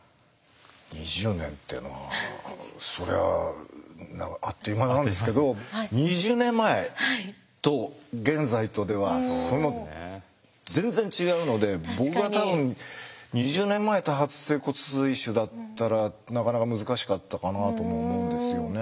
２０年というのはそれはあっという間なんですけど２０年前と現在とではその全然違うので僕が多分２０年前多発性骨髄腫だったらなかなか難しかったかなとも思うんですよね。